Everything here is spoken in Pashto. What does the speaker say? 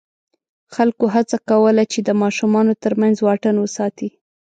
خلکو هڅه کوله چې د ماشومانو تر منځ واټن وساتي.